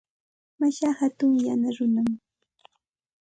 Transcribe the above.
Mashaa hatun yana runam.